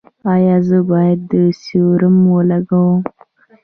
ایا زه باید سیروم ولګوم؟